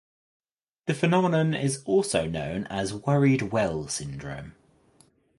The phenomenon is also known as worried well syndrome.